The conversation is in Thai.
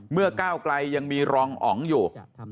เมื่อก้าวกลัยยังมีรองอ๋องอยู่